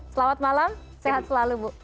selamat malam sehat selalu bu